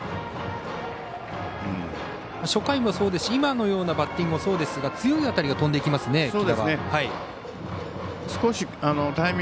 初回もそうですし今のようなバッティングもそうですが、強い当たりが飛んでいきますね、来田は。